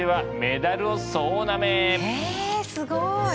えすごい！